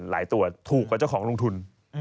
หลายตัวถูกก็เจ้าของลงทุน